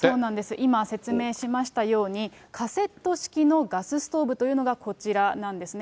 今、説明しましたように、カセット式のガスストーブというのがこちらなんですね。